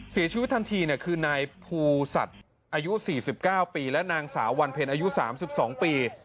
เสียชีวิตทันทีคือนายภูสัตว์อายุ๔๙ปีและนางสาววันเพ็ญอายุ๓๒ปี